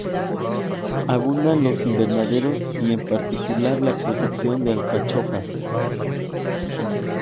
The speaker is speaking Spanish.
Abundan los invernaderos, y en particular la producción de alcachofas.